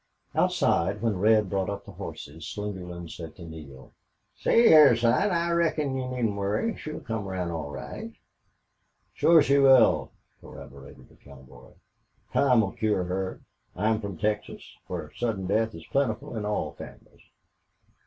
Outside, when Red brought up the horses, Slingerland said to Neale: "See hyar, son, I reckon you needn't worry. She'll come around all right." "Shore she will," corroborated the cowboy. "Time'll cure her. I'm from Texas, whar sudden death is plentiful in all families."